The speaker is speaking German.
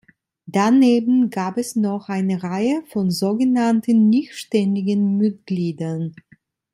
Daneben gab es noch eine Reihe von sogenannten nicht ständigen Mitgliedern.